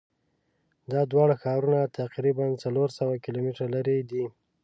دا دواړه ښارونه تقریبآ څلور سوه کیلومتره لری دي.